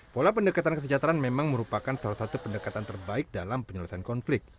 pola pendekatan kesejahteraan memang merupakan salah satu pendekatan terbaik dalam penyelesaian konflik